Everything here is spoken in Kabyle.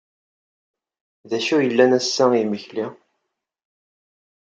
D acu yellan ass-a i yimekli?